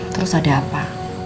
terus ada apa